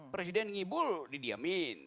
presiden ngibul didiamin